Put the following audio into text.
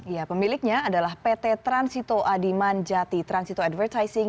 ya pemiliknya adalah pt transito adiman jati transito advertising